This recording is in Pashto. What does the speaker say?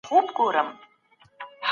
د ټولنیز مسؤلیت احساس اړین دی.